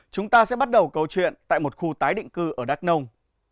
chúng ta sẽ bắt đầu câu chuyện tại một khu tái định cư ở đắk nông